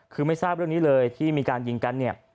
คือไม่ทราบเรื่องนี้เลยที่มีการยิงกันเนี่ย